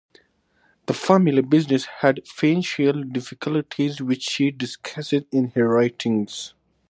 The family business had financial difficulties which she discusses in her writings.